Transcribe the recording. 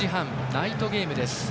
ナイトゲームです。